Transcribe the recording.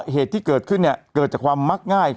เหตุที่เกิดขึ้นเกิดจากความมักง่าย